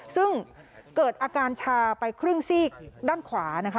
ซึ่งเกิดอาการชาไปครึ่งซีกด้านขวานะคะ